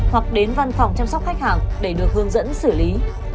hoặc đến văn phòng chăm sóc khách hàng để được hướng dẫn xử lý